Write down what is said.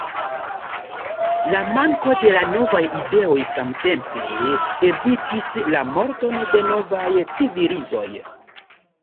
La manko de novaj ideoj samtempe evitis la morton de novaj civilizoj.